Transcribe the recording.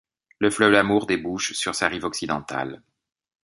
Le fleuve Amour débouche sur sa rive occidentale.